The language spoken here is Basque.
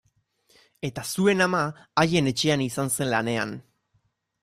Eta zuen ama haien etxean izan zen lanean.